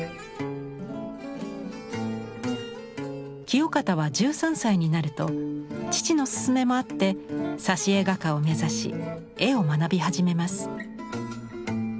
清方は１３歳になると父の勧めもあって挿絵画家を目指し絵を学び始めます。